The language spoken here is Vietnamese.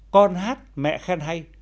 con hát mẹ khen hay